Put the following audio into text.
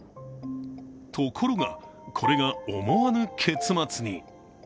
ところが、これが思わぬ結末に。